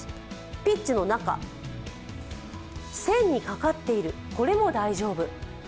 ピッチの中、線にかかっている、これも大丈夫。